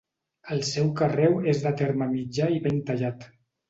El seu carreu és de terme mitjà i ben tallat.